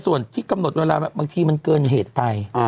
ส่วนที่กำหนดเวลาบางทีมันเกินเหตุไป